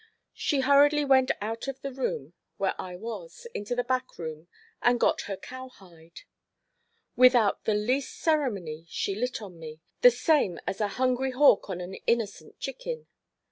She hurriedly went out of the room where I was, into the back room, and got her cowhide; without the least ceremony she lit on me—the same as a hungry hawk on an innocent chicken.